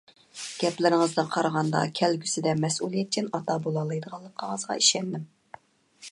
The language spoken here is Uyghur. گەپلىرىڭىزدىن قارىغاندا كەلگۈسىدە مەسئۇلىيەتچان ئاتا بولالايدىغانلىقىڭىزغا ئىشەندىم.